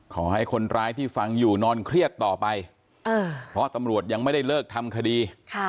ขอให้คนร้ายที่ฟังอยู่นอนเครียดต่อไปเพราะตำรวจยังไม่ได้เลิกทำคดี